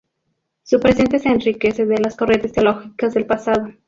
Su presente se enriquece de las corrientes teológicas del pasado.